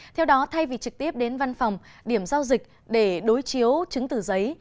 theo đó thay vì trực tiếp đến văn phòng điểm giao dịch để đối chiếu chứng từ giấy